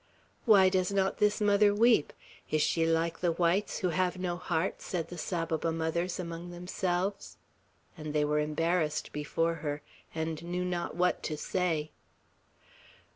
"Why does not this mother weep? Is she like the whites, who have no heart?" said the Saboba mothers among themselves; and they were embarrassed before her, and knew not what to say.